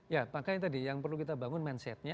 ya makanya tadi yang perlu kita bangun mindsetnya